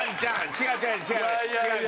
違う違う違う違う。